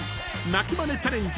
鳴きマネチャレンジ